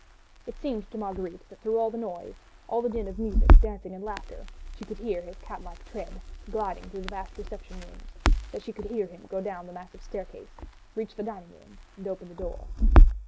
It seemed to Marguerite that through all the noise, all the din of music, dancing, and laughter, she could hear his cat like tread, gliding through the vast reception rooms; that she could hear him go down the massive staircase, reach the dining room and open the door.